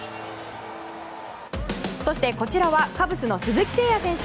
そして、こちらはカブスの鈴木誠也選手。